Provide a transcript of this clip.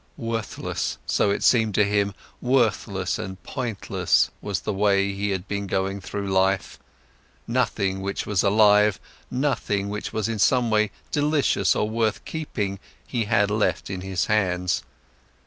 Worthless, so it seemed to him, worthless and pointless was the way he had been going through life; nothing which was alive, nothing which was in some way delicious or worth keeping he had left in his hands.